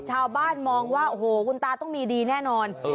ชาวบ้านมองว่าโอ้โหคุณตาต้องมีดีแน่นอน